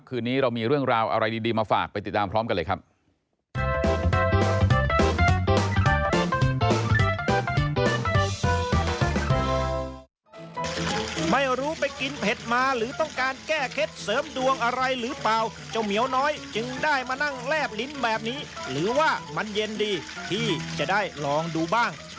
คืนนี้เรามีเรื่องราวอะไรดีมาฝากไปติดตามพร้อมกันเลยครับ